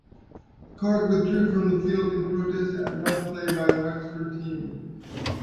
Cork withdrew from the field in protest at rough play by the Wexford team.